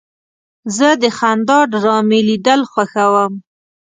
زه د خندا ډرامې لیدل خوښوم.